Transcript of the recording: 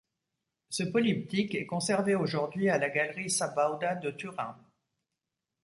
Ce polyptyque est conservé aujourd'hui à la Galerie Sabauda de Turin.